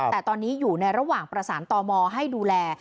แต่ตอนนี้อยู่ในระหว่างประสานต่อมอให้ดูแล